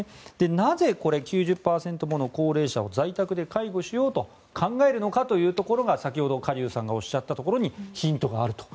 なぜこれ、９０％もの高齢者を在宅で介護しようと考えるのかというところが先ほどカ・リュウさんがおっしゃったところにヒントがあると。